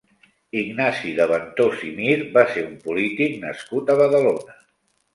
Ignasi de Ventós i Mir va ser un polític nascut a Badalona.